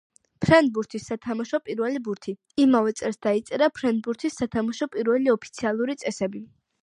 ფრენბურთის სათამაშო პირველი ბურთი. იმავე წელს დაიწერა ფრენბურთის თამაშის პირველი ოფიციალური წესები.